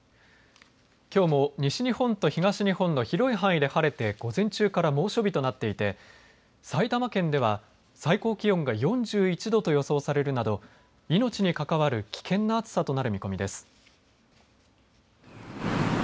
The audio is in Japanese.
きょうも西日本と東日本の広い範囲で晴れて午前中から猛暑日となっていて埼玉県では最高気温が４１度と予想されるなど命に関わる危険な暑さとなる見込みです。